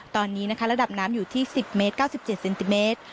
ตอนนี้นะคะระดับน้ำอยู่ที่๑๐เมตร๙๗เซนติเมตร